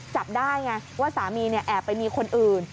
จับได้ไงว่าสามีแอบไปมีคนอื่น